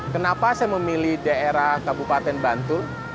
kenapa saya memilih daerah kabupaten bantul